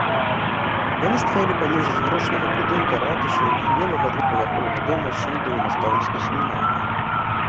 Яны стаялі паміж змрочнага будынка ратушы і белага двухпавярховага дома з шыльдаю настаўніцкай семінарыі.